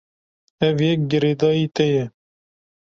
Ev yek girêdayî te ye.